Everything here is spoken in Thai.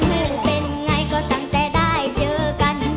นั่นเป็นไงก็ตั้งแต่ได้เจอกัน